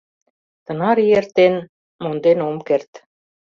Тынар ий эртен — монден ом керт.